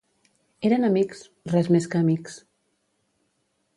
Eren amics, res més que amics.